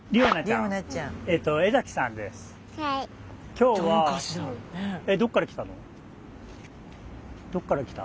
今日はどっから来た？